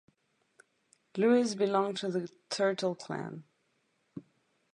Lewis belonged to the Turtle clan.